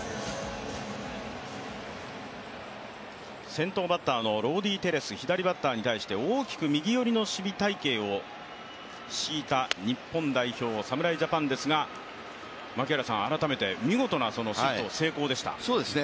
先頭バッターのローディー・テレス、左バッターに対して大きく右寄りの守備隊形をしいた日本代表、侍ジャパンですが改めて見事なシフト成功でした。